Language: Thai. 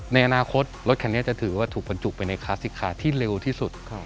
ในอนาคตรถคันนี้จะถือว่าถูกบรรจุไปในคลาสสิกคาที่เร็วที่สุด